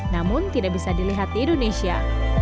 namun tidak bisa dilihat di indonesia